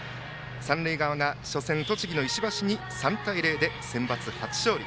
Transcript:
三塁側が初戦栃木の石橋に３対０でセンバツ初勝利。